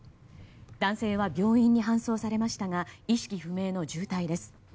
男性は病院に搬送されましたが意識不明の重体です。